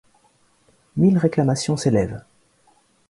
Mille réclamations s’élèvent.